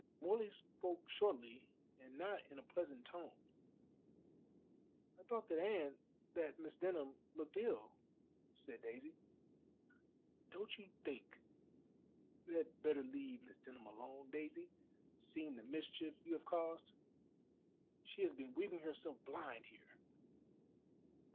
Morley spoke shortly and not in a pleasant tone. "I thought that Anne, that Miss Denham, looked ill," said Daisy. "Don't you think you had better leave Miss Denham alone, Daisy, seeing the mischief you have caused? She has been weeping herself blind here."